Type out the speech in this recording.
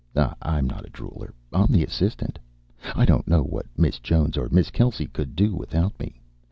I'm not a drooler. I'm the assistant, I don't know what Miss Jones or Miss Kelsey could do without me.